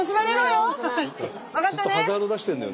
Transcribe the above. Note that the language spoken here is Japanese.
分かったね！